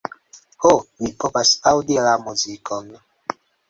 Ho, mi povas aŭdi la muzikon.